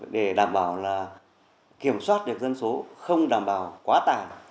để đảm bảo kiểm soát được dân số không đảm bảo quá tài